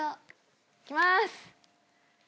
いきます。